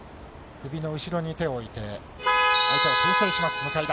首の後ろに手を置いて、相手をけん制します、向田。